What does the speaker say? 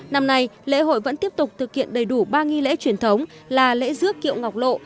năm nay lễ hội vẫn tiếp tục thực hiện đầy đủ ba nghi lễ truyền thống là lễ dước kiệu ngọc lộ